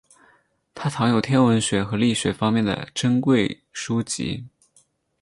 他藏有天文学和力学方面的珍贵书籍。